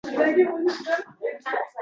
Uzoq manzil emas.